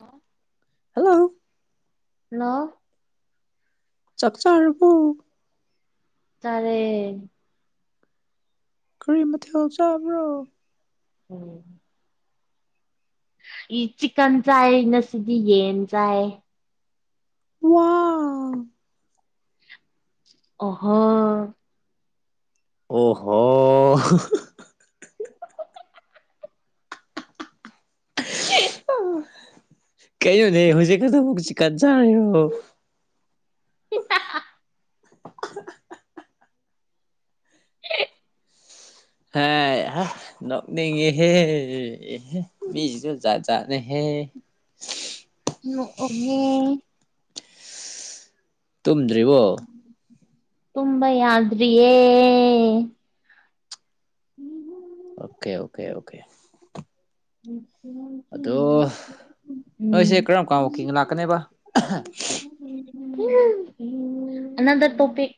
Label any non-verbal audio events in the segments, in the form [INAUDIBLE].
ꯑ [UNINTELLIGIBLE] hello hello ꯆꯥꯛꯆꯥꯔꯕꯣ ꯆꯥꯔꯦ ꯀꯔꯤ ꯃꯊꯦꯜ ꯆꯥꯕ꯭ꯔꯣ ꯎꯝ ꯆꯤꯀꯟ ꯆꯥꯏ ꯉꯁꯤꯗꯤ ꯌꯦꯟ ꯆꯥꯏ ꯋꯥ ꯑꯣꯍꯣ ꯑꯣꯍꯣ [UNINTELLIGIBLE] ꯑꯦ [UNINTELLIGIBLE] ꯀꯩꯅꯣꯅꯦ ꯍꯧꯖꯤꯛ ꯀꯗꯣ ꯃꯨꯛ ꯆꯤꯟꯗ ꯆꯔꯤꯕꯣ ꯍꯤ ꯍꯥ ꯍꯥ [UNINTELLIGIBLE] [UNINTELLIGIBLE] ꯍꯥꯏ ꯍꯥ ꯅꯣꯛꯅꯤꯡꯉꯦꯍꯦ ꯑꯦꯍꯦ ꯃꯤꯁꯤꯡꯁꯦ ꯖꯥꯠ ꯖꯥꯠꯅꯦꯍꯦ ꯅꯣꯛꯑꯣꯒꯦ ꯇꯨꯝꯗ꯭ꯔꯤꯕꯣ ꯇꯨꯝꯕ ꯌꯥꯗ꯭ꯔꯤꯌꯦ ꯑꯦ ꯍꯨꯍꯨꯝ ꯑꯣꯀꯦ ꯑꯣꯀꯦ ꯑꯣꯀꯦ [UNINTELLIGIBLE] ꯑꯗꯣ ꯎꯝ ꯅꯣꯏꯁꯦ ꯀꯔꯝ ꯀꯥꯟ ꯋꯥꯀꯤꯡ ꯂꯥꯛꯀꯅꯦꯕ [UNINTELLIGIBLE] ꯑꯅꯥꯗꯔ ꯇꯣꯄꯤꯛ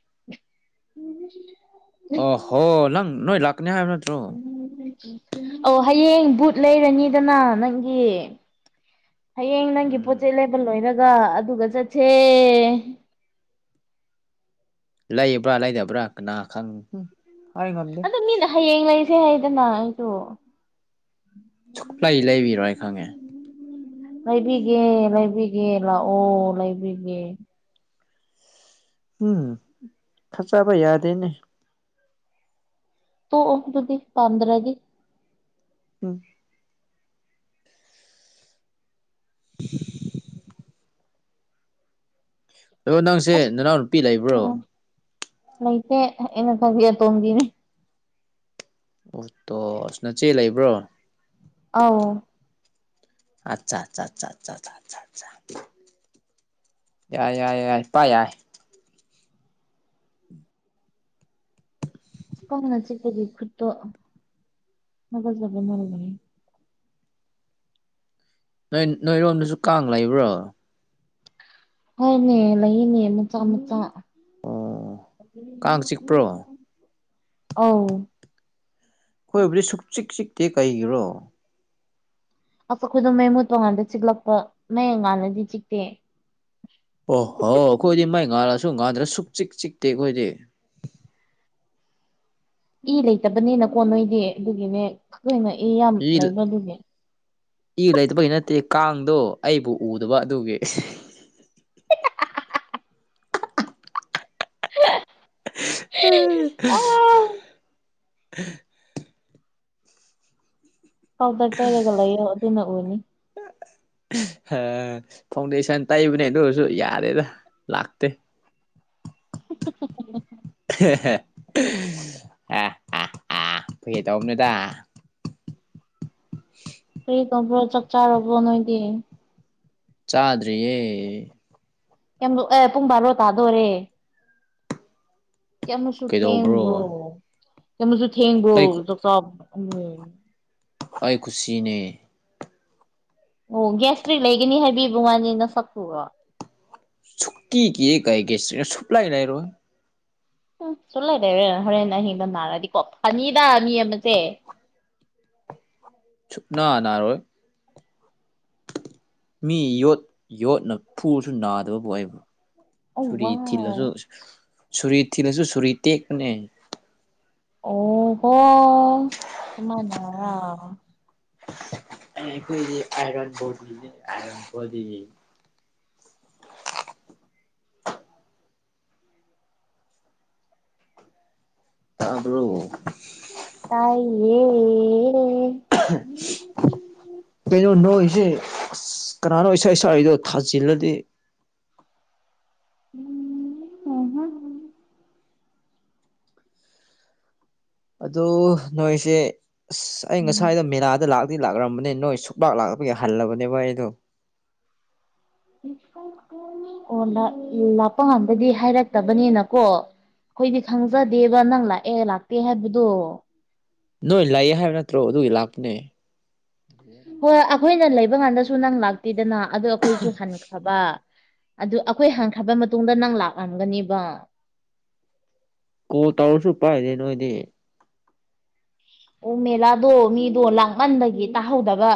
ꯑꯣꯍꯣ ꯅꯪ ꯅꯣꯏ ꯂꯥꯛꯀꯅꯤ ꯍꯥꯏꯕ ꯅꯠꯇ꯭ꯔꯣ ꯑꯣ ꯍꯌꯦꯡ ꯕꯨꯠ ꯂꯩꯔꯅꯤꯗꯅ ꯅꯪꯒꯤ ꯍꯌꯦꯡ ꯅꯪꯒꯤ ꯎꯝ ꯄꯣꯠꯆꯩ ꯂꯩꯕ ꯂꯣꯏꯔꯒ ꯑꯗꯨꯒ ꯆꯠꯁꯦ ꯂꯩꯕ꯭ꯔꯥ ꯂꯩꯗꯕ꯭ꯔꯥ ꯀꯅꯥ ꯈꯪꯕꯅꯣ ꯑꯗ ꯃꯤꯅ ꯍꯌꯦꯡ ꯂꯩꯁꯦ ꯍꯥꯏꯗꯅ ꯑꯩꯁꯨ ꯁꯨꯛꯂꯩ ꯂꯩꯕꯤꯔꯣꯏ ꯍꯥꯏ ꯈꯪꯉꯦ ꯂꯩꯕꯤꯒꯦ ꯂꯩꯕꯤꯒꯦ ꯂꯥꯛꯑꯣ ꯂꯩꯕꯤꯒꯦ ꯎꯝ ꯐꯠꯖꯕ ꯌꯥꯗꯦꯅꯦ ꯇꯣꯛꯑꯣ ꯑꯗꯨꯗꯤ ꯄꯥꯝꯗ꯭ꯔꯗꯤ ꯎꯝ [UNINTELLIGIBLE] ꯑꯗꯣ ꯅꯪꯁꯦ ꯑꯁ ꯅꯅꯥꯎꯅꯨꯄꯤ ꯂꯩꯕ꯭ꯔꯣ ꯎꯝ ꯂꯩꯇꯦ ꯑꯩꯅ ꯈꯋ꯭ꯥꯏ ꯑꯇꯣꯝꯕꯤꯅꯦ ꯑꯣ ꯇꯣ ꯑꯁ ꯅꯆꯦ ꯂꯩꯕ꯭ꯔꯣ ꯑꯧ ꯑꯆꯥꯆꯥ ꯑꯆꯥ ꯌꯥꯏ ꯌꯥꯏ ꯌꯥꯏ ꯄꯥꯏ ꯌꯥꯏ ꯀꯥꯡꯅ ꯆꯤꯛꯄꯒꯤ ꯈꯨꯠꯇꯣ ꯍꯥꯒꯠ ꯆꯕ ꯃꯥꯜꯂꯦꯅꯦ ꯅꯣꯏ ꯅꯣꯏꯔꯣꯝꯗꯁꯨ ꯀꯥꯡ ꯂꯩꯕ꯭ꯔꯣ ꯍꯣꯏꯅꯦ ꯂꯩꯌꯦꯅꯦ ꯃꯆꯥ ꯃꯆꯥ ꯑꯣ ꯀꯥꯡ ꯆꯤꯛꯄ꯭ꯔꯣ ꯑꯧ ꯑꯩꯈꯣꯏꯕꯨꯗꯤ ꯁꯨꯛꯆꯤꯛ ꯆꯤꯛꯇꯦ ꯀꯩꯒꯤꯔꯣ ꯑꯩꯈꯣꯏꯗꯨ ꯃꯩ ꯃꯨꯠꯄꯀꯥꯟꯗ ꯆꯤꯛꯂꯛꯄ ꯃꯩ ꯉꯥꯟꯂꯗꯤ ꯆꯤꯛꯇꯦ ꯑꯣ ꯍꯣ ꯑꯩꯈꯣꯏꯗꯤ ꯃꯥꯏ ꯉꯥꯜꯂꯁꯨ ꯉꯥꯟꯗ꯭ꯔꯁꯨ ꯁꯨꯛ ꯆꯤꯛ ꯆꯤꯛꯇꯦ ꯑꯩꯈꯣꯏꯗꯤ ꯏ ꯂꯩꯇꯕꯅꯤꯅꯀꯣ ꯅꯣꯏꯗꯤ ꯑꯗꯨꯒꯤꯅꯦ ꯈꯣꯏꯅ ꯏ ꯌꯥꯝ ꯂꯩꯕ ꯑꯗꯨꯒꯤ ꯏ ꯂꯩꯇꯕꯒꯤ ꯅꯠꯇꯦ ꯀꯥꯡꯗꯣ ꯑꯩꯕꯨ ꯎꯗꯕ ꯑꯗꯨꯒꯤ ꯍꯤ ꯍꯥ ꯍꯥ ꯍꯥ ꯍꯥ ꯍꯥ ꯑꯥ [UNINTELLIGIBLE] ꯄꯥꯎꯗꯔ ꯇꯩꯔꯒ ꯂꯩꯌꯣ ꯑꯗꯨꯅ ꯎꯅꯤ [UNINTELLIGIBLE] ꯐꯥꯎꯟꯗꯦꯁꯟ ꯇꯩꯕꯅꯦ ꯑꯗꯨ ꯑꯣꯏꯔꯁꯨ ꯌꯥꯗꯦꯗ ꯂꯥꯛꯇꯦ ꯍꯨꯝꯍꯨꯝꯍꯨꯝ ꯑ ꯍꯦ ꯍꯦ ꯑꯦ ꯍꯦ ꯍꯦ ꯐꯥꯒꯤ ꯇꯩꯕꯅꯤꯗ ꯀꯔꯤ ꯇꯧꯕ꯭ꯔꯣ ꯆꯥꯛꯆꯥꯔꯕꯣ ꯅꯣꯏꯗꯤ ꯆꯥꯗ꯭ꯔꯤꯌꯦ [UNINTELLIGIBLE] ꯑꯦ ꯄꯨꯡ ꯕꯥꯔꯣ ꯇꯥꯗꯣꯔꯦ ꯌꯥꯝꯅ ꯊꯦꯡꯒꯣ ꯀꯩꯗꯧꯕ꯭ꯔꯣ ꯌꯥꯝꯅꯁꯨ ꯊꯦꯡꯒꯣ ꯑꯩ ꯑꯩ ꯈꯨꯨꯁꯤꯅꯦ ꯑꯣ ꯒ꯭ꯌꯥꯁꯇ꯭ꯔꯤꯛ ꯂꯩꯒꯅꯤ ꯍꯥꯏꯕꯤꯕ ꯋꯥꯅꯤ ꯅꯁꯛꯇꯨꯒ ꯁꯨꯛꯀꯤ ꯀꯤ ꯀꯩꯒꯤ ꯁꯤꯗ ꯁꯨꯛꯂꯩ ꯂꯩꯔꯣꯏ ꯎꯝ ꯁꯨ ꯂꯩꯔꯣꯏ ꯍꯣꯔꯦꯟ ꯑꯍꯤꯡꯗ ꯅꯥꯔꯗꯤꯀꯣ ꯐꯅꯤꯗ ꯃꯤ ꯑꯃꯁꯦ ꯁꯨꯛꯅꯥ ꯅꯥꯔꯣꯏ ꯃꯤ ꯌꯣꯠ ꯌꯣꯠꯅ ꯐꯨꯔꯁꯨ ꯅꯥꯗꯕꯕꯨ ꯑꯩꯕꯨ ꯑꯣ ꯁꯨꯔꯤ ꯋꯥꯎ ꯊꯤꯜꯂꯁꯨ ꯁꯨꯔꯤ ꯊꯤꯜꯂꯁꯨ ꯁꯨꯔꯤ ꯇꯦꯛꯄꯅꯦ ꯑꯣ ꯍꯣ ꯑꯃꯅ ꯈꯣꯏꯗꯤ ꯑꯥꯏꯔꯟꯕꯣꯗꯤꯅꯤ ꯑꯥꯏꯔꯟꯕꯣꯗꯤ ꯇꯥꯕ꯭ꯔꯣ ꯇꯥꯏꯌꯦ [UNINTELLIGIBLE] ꯀꯩꯅꯣ ꯅꯣꯏꯁꯦ ꯑꯁ ꯀꯅꯥꯅꯣ ꯏꯁꯩ ꯁꯛꯏꯗꯣ ꯊꯥꯖꯤꯜꯂꯗꯤ ꯎꯝ ꯑꯣ ꯍ ꯑꯗꯣ ꯅꯣꯏꯁꯦ ꯑꯁ ꯑꯩ ꯎꯝ ꯉꯁꯥꯏꯗ ꯃꯦꯂꯥꯗ ꯂꯥꯛ ꯂꯥꯛꯇꯤ ꯂꯥꯛꯂꯝꯕꯅꯦ ꯅꯣꯏ ꯁꯨꯛꯂꯥꯛ ꯂꯥꯛꯇꯕꯒꯤ ꯍꯜꯂꯕꯅꯦꯕ ꯑꯩꯗꯣ ꯑꯣ ꯂꯥꯛꯄ ꯀꯥꯟꯗꯗꯤ ꯍꯥꯏꯔꯛꯇꯕꯅꯤꯅꯀꯣ ꯑꯩꯈꯣꯏꯗꯤ ꯈꯪꯖꯗꯦꯕ ꯅꯪ ꯂꯥꯛꯑꯦ ꯂꯥꯛꯇꯦ ꯍꯥꯏꯕꯗꯣ ꯅꯣꯏ ꯂꯥꯏꯌꯦ ꯍꯥꯏꯕ ꯅꯠꯇ꯭ꯔꯣ ꯑꯗꯨꯒꯤ ꯂꯥꯛꯄꯅꯦ ꯍꯣꯏ ꯑꯩꯈꯣꯏꯅ ꯂꯩꯕ ꯀꯥꯟꯗꯁꯨ ꯅꯪ ꯂꯥꯛꯇꯦꯗꯅ ꯑꯗꯨ ꯑꯩꯈꯣꯏꯁꯨ ꯍꯟꯈ꯭ꯔꯕ ꯑꯗꯨ ꯑꯩꯈꯣꯏ ꯍꯟꯈ꯭ꯔꯕ ꯃꯇꯨꯡꯗ ꯅꯪ ꯂꯥꯛꯂꯝꯝꯒꯅꯤꯕ ꯀꯣꯜ ꯇꯧꯔꯁꯨ ꯄꯥꯏꯗꯦ ꯅꯣꯏꯗꯤ ꯑꯣ ꯃꯦꯂꯥꯗꯣ ꯃꯤꯗꯣ ꯂꯥꯡꯃꯟꯕꯒꯤ ꯇꯥꯍꯧꯗꯕ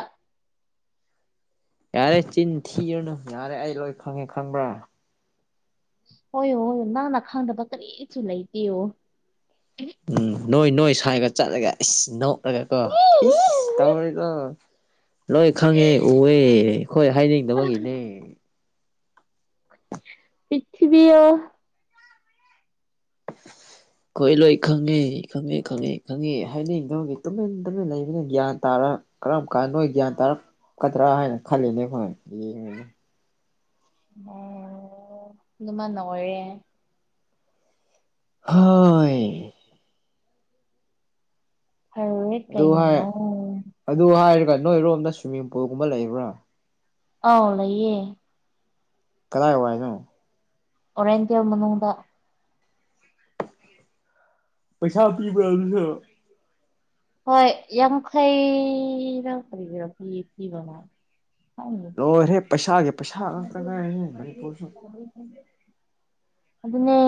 ꯌꯥꯔꯦ ꯆꯤꯟ ꯊꯤꯔꯅꯨ ꯌꯥꯔꯦ ꯑꯩ ꯂꯣꯏ ꯈꯪꯉꯦ ꯈꯪꯕ꯭ꯔꯥ ꯍꯣꯏꯣ ꯍꯣꯏꯣ ꯅꯅꯥꯪꯟꯅ ꯈꯪꯗꯕ ꯀꯔꯤꯁꯨ ꯂꯩꯇꯦ ꯑꯣꯣ ꯎꯝ ꯅꯣꯏ ꯅꯣꯏ ꯁꯥꯏꯒ ꯆꯠꯂꯒ ꯏꯁ ꯅꯣꯛꯂꯒ ꯀꯣ ꯏꯁ ꯑꯁ ꯇꯧꯔꯤꯗꯣ ꯂꯣꯏ ꯈꯪꯉꯦ ꯎꯑꯦ ꯑꯩꯈꯣꯏ ꯍꯥꯏꯅꯤꯡꯗꯕꯒꯤꯅꯦ ꯄꯤꯊꯤꯕꯤ ꯑꯣ [UNINTELLIGIBLE] ꯑꯩꯣꯏ ꯂꯣꯏ ꯈꯪꯉꯤ ꯈꯪꯉꯤ ꯈꯪꯉꯤ ꯈꯪꯉꯤ ꯍꯥꯏꯅꯤꯡꯗꯕꯒꯤ ꯇꯨꯃꯤꯟ ꯇꯨꯃꯤꯟ ꯂꯩꯕꯅ ꯒ꯭ꯌꯥꯟ ꯇꯥꯔ ꯀꯔꯝ ꯀꯥꯟ ꯅꯣꯏ ꯒ꯭ꯌꯥꯟ ꯇꯥꯔꯛꯀꯗ꯭ꯔꯥ ꯍꯥꯏꯅ ꯈꯜꯂꯤꯅꯦ ꯑꯩꯈꯣꯏ ꯌꯦꯡ ꯃ ꯑꯗꯨꯃꯥꯏꯅ ꯑꯣꯏꯔꯦ ꯍ ꯍꯣꯏ ꯍꯔꯋꯦ ꯑꯗꯨ ꯍꯥꯏ ꯀꯩꯅꯩꯅꯣ ꯑꯗꯨ ꯍꯥꯏꯔꯒ ꯅꯣꯏꯔꯣꯝꯗ ꯁ꯭ꯋꯤꯝꯃꯤꯡ ꯄꯨꯜꯒꯨꯝꯕ ꯂꯩꯕ꯭ꯔꯥ ꯑꯥꯎ ꯂꯩꯌꯦ ꯀꯗꯥꯏ ꯋꯥ ꯍꯥꯏꯅꯣ ꯑꯣꯔꯦꯟꯟꯗꯤꯌꯥ ꯃꯅꯨꯡꯗ ꯃꯅꯨꯡꯗꯗ ꯄꯩꯁꯥ ꯄꯤꯕ ꯑꯗꯨꯁꯨ ꯍꯣꯏ ꯌꯥꯈꯩꯩꯅ ꯀꯕꯤꯔꯣ ꯌꯦ ꯄꯕ ꯂꯣꯏꯔꯦ ꯄꯩꯁꯥꯒꯤ ꯄꯩꯁꯥ ꯉꯥꯛꯇ ꯉꯥꯏꯅꯦꯦ ꯃꯅꯤꯄꯨꯔꯁꯨ [UNINTELLIGIBLE] ꯑꯗꯨꯅꯦ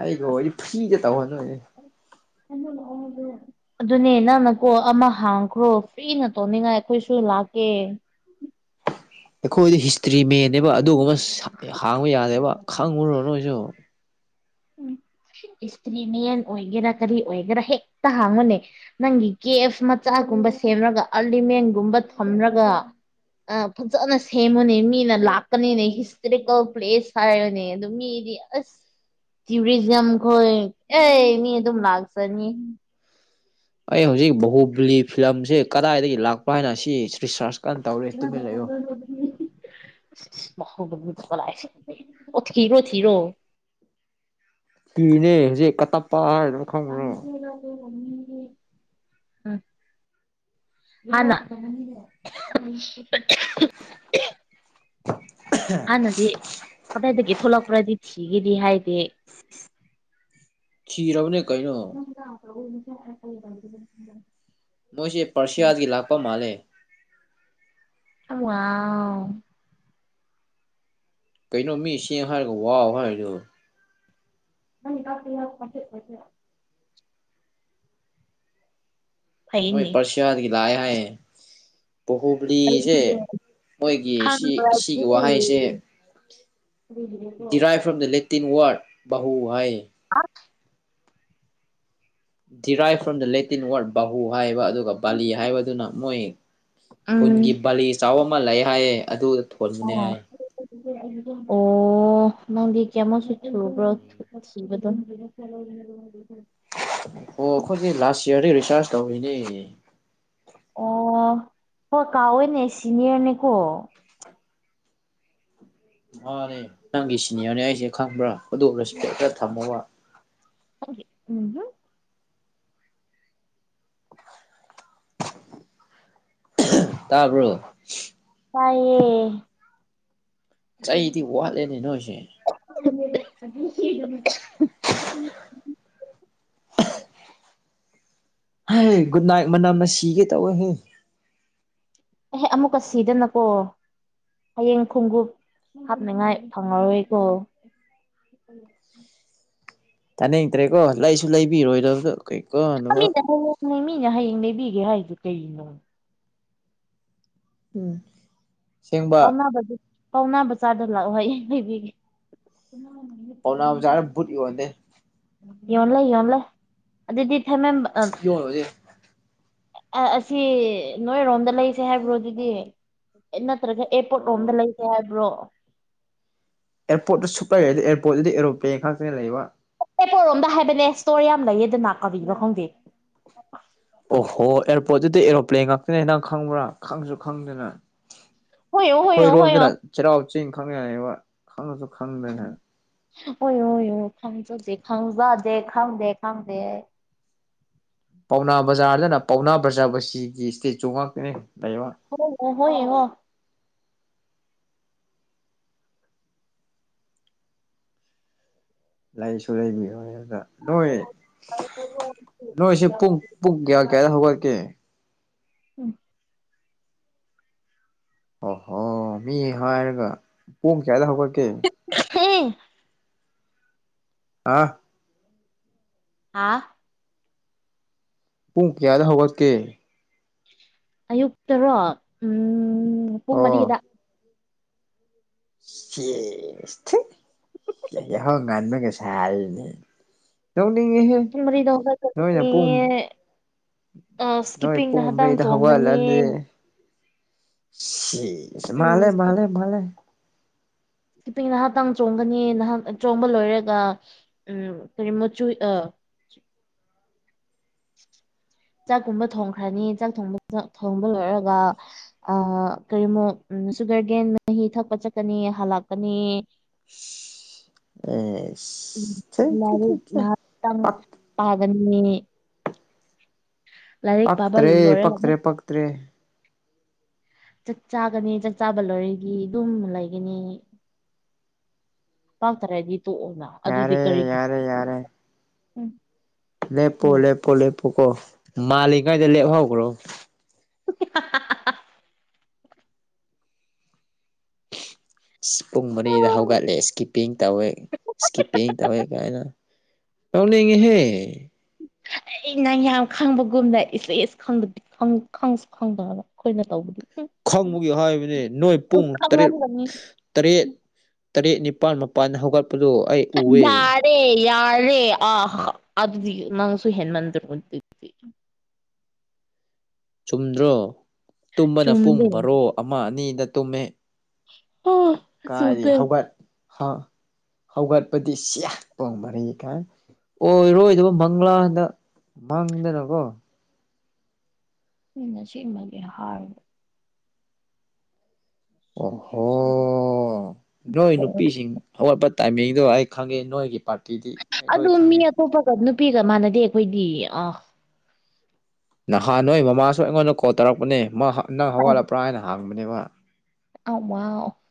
ꯑꯩꯒ ꯋꯥꯔꯤ ꯐ꯭ꯔꯤꯗ ꯇꯧꯍꯟꯂꯩꯔꯦ ꯍ ꯎ ꯑꯗꯨꯅꯦ ꯅꯪꯅꯀꯣ ꯑꯃ ꯍꯥꯡꯈ꯭ꯔꯣ ꯐꯤꯅ ꯇꯧꯅꯤꯡꯉꯥꯏ ꯑꯩꯈꯣꯏꯁꯨ ꯂꯥꯛꯀꯦ ꯑꯩꯈꯣꯏꯗꯤ ꯍꯤꯁꯇ꯭ꯔꯤ ꯃꯦꯟꯅꯦꯕ ꯑꯗꯨꯕꯨ ꯑꯁ ꯍꯥꯡꯕ ꯌꯥꯗꯦꯕ ꯈꯪꯉꯨꯔꯣ ꯅꯣꯏꯁꯨ [UNINTELLIGIBLE] ꯏꯁꯇ꯭ꯔꯤꯃꯦꯟ ꯑꯣꯏꯒꯦꯔꯥ ꯀꯔꯤ ꯑꯣꯏꯒꯦꯔꯥ ꯍꯦꯛꯇ ꯍꯥꯡꯉꯣꯅꯦ ꯅꯪꯒꯤ ꯀꯦꯞ ꯃꯆꯥꯒꯨꯝꯕ ꯁꯦꯝꯃꯒ ꯑꯔꯂꯤꯃꯦꯟꯒꯨꯝꯕ ꯊꯝꯂꯒ ꯑ ꯐꯖꯅ ꯁꯦꯝꯃꯣꯅꯦ ꯃꯤ ꯅ ꯂꯥꯛꯀꯅꯤꯅꯦ ꯍꯤꯁꯇꯣꯔꯤꯀꯦꯜ ꯄ꯭ꯂꯦꯁ ꯍꯥꯏꯔꯅꯦ ꯑꯗꯨ ꯃꯤꯗꯤ ꯑꯁ ꯇ꯭ꯔꯤꯖꯝ ꯈꯣꯏ ꯑꯦ ꯃꯤ ꯑꯗꯨꯝ ꯂꯥꯛꯁꯅꯤ ꯑꯩ ꯍꯧꯖꯤꯛ ꯕꯥꯥꯍꯨꯕꯂꯤ ꯐꯤꯂꯝꯁꯦ ꯀꯗꯥꯏꯗꯒꯤ ꯂꯥꯛꯄ ꯍꯥꯏꯅ ꯁꯤ ꯔꯤꯁꯥꯔꯁ ꯀꯟꯅ ꯇꯧꯔꯦ ꯇꯨꯃꯤꯟ ꯂꯩꯌꯣ ꯌꯥꯝꯔꯕꯔ ꯑꯣꯏ ꯏꯁ ꯏꯁ ꯃꯍꯥꯎꯗ ꯃꯤ ꯐꯨꯕ ꯂꯥꯛꯑꯦ ꯑꯣ ꯊꯤꯔꯣ ꯊꯤꯔꯣ ꯀꯅꯦ ꯍꯧꯖꯤꯦ ꯀꯇ ꯦ ꯎ ꯍꯥꯟꯅ ꯑꯍ [UNINTELLIGIBLE] ꯍꯥꯟꯅꯗꯤ ꯀꯗꯥꯏꯗꯒꯤ ꯊꯣꯛꯂꯛꯄ꯭ꯔꯗꯤ ꯊꯤꯒꯦꯗꯤ ꯍꯥꯏꯗꯤꯦ ꯈꯤꯔꯅꯦ ꯀꯩꯅꯣ ꯅ ꯅꯣꯏꯁꯦ ꯄꯔꯁꯤꯌꯥꯗꯒꯤ ꯂꯥꯛꯄ ꯃꯥꯜꯂꯦ ꯊꯃ ꯑ ꯀꯩꯅꯣ ꯃꯤ ꯁꯦꯡ ꯍꯥꯏꯔꯒ ꯋꯥꯎ ꯍꯥꯏꯔꯗꯨ ꯅꯪ ꯀ ꯌꯥ ꯄꯊ ꯃꯣꯏ ꯐꯩꯅꯦ ꯄꯔꯁꯤꯌꯥꯗꯒꯤ ꯂꯥꯛꯑꯦ ꯍꯥꯏꯌꯦ ꯄꯣꯍꯨ ꯄꯨꯂꯤꯁꯦ ꯃꯣꯏꯒꯤ ꯈꯪꯕ꯭ꯔꯗꯤ ꯁꯤꯒꯤ ꯋꯥꯍꯩꯁꯦ ꯎ derive from the Latin word ꯕꯥꯍꯨ ꯍꯥꯏ ꯑ ꯗꯤꯔꯥꯏꯞ ꯐ꯭ꯔꯣꯝ ꯗ ꯂꯦꯇꯤꯟ ꯋꯥꯔꯗ ꯕꯥꯍꯨ ꯍꯥꯏꯕ ꯑꯗꯨꯒ ꯕꯥꯂꯤ ꯍꯥꯏꯕꯗꯨꯅ ꯃꯣꯏ ꯎꯝ ꯈꯨꯟꯒꯤ ꯕꯥꯂꯤ ꯆꯥꯎꯕ ꯑꯃ ꯂꯩ ꯍꯥꯏꯌꯦ ꯑꯗꯨ ꯊꯣꯟꯕꯅꯤ ꯑꯣ ꯍꯥꯏ ꯑꯣ ꯅꯪꯗꯤ ꯀꯃꯁꯨ ꯊ ꯭ꯔ ꯊ ꯐ ꯑꯣ ꯑꯩꯈꯣꯏꯗꯤ ꯂꯥꯁ ꯌꯔꯗ ꯔꯤꯆꯥꯔꯖ ꯇꯧꯔꯤꯅꯦ ꯑꯣ ꯍꯣꯏ ꯀꯥꯎꯏꯅꯦ ꯁꯤꯅꯤꯌꯔꯅꯦꯀꯣ ꯃꯥꯅꯦ ꯅꯪꯒꯤ ꯁꯤꯅꯤꯌꯔꯅꯦ ꯑꯩꯁꯦ ꯈꯪꯕ꯭ꯔꯥ ꯑꯗꯨ ꯔꯦꯁꯄꯦꯛ ꯈ ꯊꯝꯃꯣꯕ ꯈꯪꯗꯦ ꯎꯝ ꯍꯨꯝ ꯇꯥꯔꯕ꯭ꯔꯣ ꯇꯌꯦꯌꯦ ꯆꯩꯗꯤ ꯋꯥꯠꯂꯦꯅꯦ ꯑꯍꯨ ꯅꯣꯏꯁꯦ ꯑꯍ [UNINTELLIGIBLE] ꯍ ꯒꯨꯗ ꯅꯥꯏꯠ ꯃꯅꯝꯅ ꯁꯤꯒꯦ ꯇꯧꯋꯍꯦ ꯑꯦꯍꯦ ꯑꯃꯨꯛꯀ ꯁꯤꯗꯅꯀꯣ ꯍꯌꯦꯡ ꯈꯣꯡꯎꯞ ꯍꯥꯞꯅꯤꯡꯉꯥꯏ ꯐꯪꯉꯔꯣꯏꯀꯣ ꯇꯥꯅꯤꯡꯇ꯭ꯔꯦꯀꯣ ꯂꯩꯁꯨ ꯂꯩꯕꯤꯔꯣꯏꯗꯕꯗ ꯀꯩꯀꯥꯟ ꯃꯤꯅ ꯍꯌꯦꯡꯅꯦ ꯃꯤꯅ ꯍꯌꯦꯡ ꯂꯩꯕꯤꯒꯦ ꯍꯥꯏꯗꯨ ꯀꯩꯅꯣ ꯎꯝ ꯑꯁꯦꯡꯕ ꯄꯥꯎ ꯄꯥꯎꯅꯥꯕ ꯆꯥꯗꯕ ꯂꯥꯛꯑꯣ ꯍ ꯍꯥꯏꯕꯤꯒꯦ ꯄꯥꯎꯅꯥꯖꯔꯕꯨꯠ ꯌꯣꯟꯗꯦ ꯌꯟ ꯂꯩ ꯌꯟ ꯂꯩ ꯑꯗꯨꯗꯤ ꯏ ꯊꯦ ꯃꯦꯝ ꯁꯨꯛ ꯌꯣꯟ ꯍꯧꯖꯤꯛ ꯑꯁꯤ ꯅꯣꯏꯔꯣꯝꯗ ꯂꯩꯁꯦ ꯍꯥꯏꯕ꯭ꯔꯣ ꯑꯗꯨꯗꯤ ꯅꯠꯇ꯭ꯔꯒ ꯑꯦꯔꯄꯣꯔꯠ ꯂꯣꯝꯗ ꯂꯩꯒꯦ ꯍꯥꯏꯕ꯭ꯔꯣ ꯑꯦꯌꯔꯄꯣꯔ꯭ꯠꯇ ꯁꯨꯞꯂꯩ ꯂꯩꯗꯦ ꯑꯦꯌꯔꯄꯣꯔ꯭ꯠꯇꯨꯗ ꯑꯦꯔꯣꯄꯦꯟ ꯈꯛꯇꯅ ꯂꯩꯕ ꯑꯦ ꯄꯣꯔꯣꯝꯕ ꯍꯥꯏꯕꯅꯦ ꯁ꯭ꯇꯣꯔ ꯌꯥꯝ ꯂꯩꯌꯦꯗꯅ ꯀꯔꯤꯅꯣ ꯈꯪꯗꯦ ꯑꯣꯍꯣ ꯑꯦꯌꯥꯔꯄꯣꯔꯠꯇꯨꯗ ꯑꯦꯔꯣꯄ꯭ꯂꯦꯟ ꯉꯥꯛꯇꯅꯦ ꯍꯗꯪ ꯈꯪꯕ꯭ꯔꯥ ꯈꯪꯁꯨ ꯈꯪꯗꯅ ꯍꯣꯏꯌꯣ ꯍꯣꯏꯌꯣ ꯍꯣꯏꯌꯣ ꯑꯩꯈꯣꯏꯔꯣꯝꯗꯅ ꯆꯩꯔꯥꯎ ꯆꯤꯡ ꯈꯪꯉꯅꯦꯕ ꯈꯪꯁꯨ ꯈꯪꯗꯅ ꯍꯨꯏꯌꯨ ꯍꯨꯏꯌꯨ ꯈꯪꯖꯗꯦ ꯈꯪꯖꯗꯦ ꯈꯪꯗꯦ ꯈꯪꯗꯦ ꯄꯥꯎꯅꯥ ꯕꯖꯥꯔꯗꯅ ꯄꯥꯎꯅꯥ ꯕꯖꯥꯕꯁꯤꯒꯤ ꯏꯁꯇꯦꯠꯁꯨ ꯉꯥꯛꯇꯅꯦ ꯂꯩꯕ ꯍ ꯍꯣꯏ ꯍ ꯂꯩꯁꯨ ꯂꯩꯕꯤꯔꯣꯏꯗꯕꯗ ꯅꯣꯏ ꯅꯣꯏꯁꯦ ꯄꯨꯡ ꯄꯨꯡ ꯀꯌꯥ ꯀꯌꯥꯗ ꯍꯧꯒꯠꯀꯦ ꯎꯝ ꯑꯣꯍꯣ ꯃꯤ ꯍꯥꯏꯔꯒ ꯄꯨꯡ ꯀꯌꯥꯗ ꯍꯧꯒꯠꯀꯦ ꯍꯦ ꯑꯥ ꯍꯥꯥ ꯄꯨꯡ ꯀꯌꯥꯗ ꯍꯧꯒꯠꯀꯦ ꯑꯌꯨꯛꯛꯇꯔꯣ ꯄꯨꯡ ꯃꯔꯤꯒꯤꯗ ꯁꯦ ꯍꯣ ꯉꯥꯟꯃꯦ ꯀꯩꯁ ꯍꯥꯏꯔꯅꯤ ꯇꯧꯅꯤꯡ ꯄꯨꯡ ꯃꯔꯤꯗ ꯍꯧꯒꯠ [UNINTELLIGIBLE] ꯅꯤꯌꯦ ꯑ ꯅꯣꯏ ꯁ꯭ꯀꯤꯞꯄꯤꯡ ꯄꯨꯡ ꯅꯍꯗꯪ ꯃꯔꯤꯗ ꯆꯣꯡꯒꯅꯤ ꯁꯤ ꯎꯝ ꯃꯥꯂꯦ ꯃꯥꯂꯦ ꯃꯥꯂꯦ ꯇꯨꯄꯤ ꯉꯍꯥꯛꯇꯪ ꯆꯣꯡꯒꯅꯤ ꯅꯍꯥꯛ ꯆꯣꯡꯕ ꯂꯣꯏꯔꯒ ꯎꯝ ꯀꯔꯤ ꯃꯆꯨ ꯑ ꯆꯥꯛꯀꯨꯝꯕ ꯊꯣꯡꯈ꯭ꯔꯅꯤ ꯆꯥꯛ ꯊꯣꯡ ꯊꯣꯡꯕ ꯂꯣꯏꯔꯒ ꯑ ꯀꯔꯤꯃꯣ ꯁꯨꯒꯔ ꯒꯦꯟ ꯃꯍꯤ ꯊꯛꯄ ꯆꯠꯀꯅꯤ ꯍꯥꯜꯂꯛꯀꯅꯤ ꯑꯦ ꯊ ꯇꯝ ꯐꯥꯕꯅꯤ ꯄꯥꯕ ꯄꯛꯇ꯭ꯔꯦ ꯂꯣꯏꯔꯒ ꯄꯛꯇ꯭ꯔꯦ ꯑꯃꯨꯛ ꯄꯛꯇ꯭ꯔꯦ ꯆꯥꯛ ꯆꯥꯒꯅꯤ ꯆꯥꯛ ꯆꯥꯕ ꯂꯣꯏꯔꯒꯤ ꯑꯗꯨꯝ ꯂꯩꯒꯅꯤ ꯄꯥꯛꯇꯔꯥꯗꯤ ꯇꯣꯛꯑꯣꯅ ꯑꯗꯨꯗꯤ ꯌꯥꯔꯦ ꯀꯔꯤ ꯌꯥꯔꯦ ꯌꯥꯔꯦ ꯎꯝ ꯂꯦꯞꯄꯣ ꯂꯦꯞꯄꯣ ꯂꯦꯞꯄꯨ ꯀꯣ ꯃꯥꯜꯂꯤꯉꯩꯗ ꯂꯦꯞꯍꯧꯈꯒ꯭ꯔꯣ [UNINTELLIGIBLE] ꯏꯁ ꯄꯨꯡ ꯃꯔꯤꯗ ꯍꯧꯒꯠꯂꯦ ꯏꯁꯀꯤꯞꯄꯤꯡ ꯇꯧꯋꯦ ꯏꯁꯀꯤꯞꯄꯤꯡ ꯇꯧꯋꯦ ꯀꯥꯏꯅ ꯅꯣꯛꯅꯤꯡꯉꯦꯍꯦ ꯑꯩ ꯅꯪ ꯌꯥꯝ ꯈꯪꯕꯒꯨꯝꯗ ꯏꯁꯂ ꯏꯁ ꯈꯪꯗ ꯈꯪꯁꯨ ꯈꯪꯗꯕ ꯑꯩꯈꯣꯏꯅ ꯇꯧꯕꯗꯤ ꯈꯪꯕꯒꯤ ꯍꯥꯏꯕꯅꯤ ꯅꯣꯏ ꯎꯝ ꯄꯨꯡ ꯇꯔꯦꯠ ꯈꯪꯉꯝꯒꯅꯤ ꯇꯔꯦꯠ ꯇꯔꯦꯠ ꯅꯤꯄꯥꯜ ꯃꯥꯄꯜ ꯍꯧꯒꯠꯄꯗꯨ ꯑꯩ ꯎꯑꯦ ꯌꯥꯔꯦ ꯌꯥꯔꯦ ꯑꯥ ꯑꯗꯨꯗꯤ ꯅꯪꯁꯨ ꯍꯦꯟ ꯃꯟꯗ ꯆꯨꯝꯗ꯭ꯔꯣ ꯇꯨꯝꯕꯅ ꯄꯨꯡ ꯆꯨꯝꯗꯦ ꯕꯔꯣ ꯑꯃ ꯑꯅꯤꯗ ꯇꯨꯝꯃꯦ ꯑ ꯀꯥꯏꯔꯤ ꯆꯨꯝꯗꯦ ꯍꯧꯒꯠ ꯍꯥ ꯍꯧꯒꯠꯄꯗꯤ ꯆꯤꯌꯥ ꯄꯣꯡ ꯃꯔꯤ ꯀꯥꯏ ꯑꯣꯏꯔꯔꯣꯏꯗꯕ ꯃꯪꯂꯥꯟꯗ ꯃꯪꯗꯅꯀꯣ ꯃꯤꯅ ꯑꯁꯦꯡꯕꯒꯤ ꯍꯥꯥꯏꯔꯒ ꯑꯣꯍꯣ ꯅꯣꯏ ꯑꯣ ꯅꯨꯄꯤꯁꯤꯡ ꯍꯧꯒꯠꯄ ꯇꯥꯏꯃꯤꯡꯗꯣ ꯑꯩ ꯈꯪꯉꯦ ꯅꯣꯏꯒꯤ ꯄꯥꯔꯇꯤꯗꯤ ꯑꯩ ꯂꯣꯏ ꯑꯗꯨ ꯃꯤ ꯈꯪꯉꯦ ꯑꯇꯣꯞꯄꯒ ꯅꯨꯄꯤꯒ ꯃꯥꯟꯅꯗꯦ ꯑꯩꯈꯣꯏꯗꯤ ꯑꯥ ꯅꯍꯥꯟ ꯅꯣꯏ ꯃꯃꯥꯁꯨ ꯑꯩꯉꯣꯟꯗ ꯀꯣꯜ ꯇꯧꯔꯛꯄꯅꯦ ꯃꯥ ꯅꯪ ꯍꯧꯒꯠꯂꯄ꯭ꯔꯥ ꯍꯥꯏꯅ ꯍꯪꯕꯅꯦꯕ [UNINTELLIGIBLE]